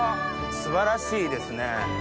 素晴らしいですね。